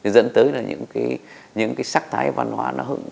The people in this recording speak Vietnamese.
dẫn tới những sắc thái văn hóa